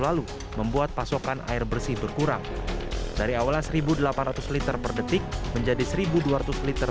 lalu membuat pasokan air bersih berkurang dari awalnya seribu delapan ratus liter per detik menjadi seribu dua ratus liter